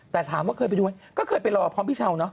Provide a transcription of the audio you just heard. แต่ถามว่าเคยไปดูไหมก็เคยไปรอพร้อมพี่เช้าเนาะ